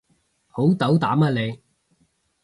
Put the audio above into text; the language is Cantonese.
好斗膽啊你